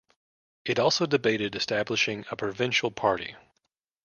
It also debated establishing a provincial party.